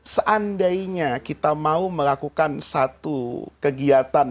seandainya kita mau melakukan satu kegiatan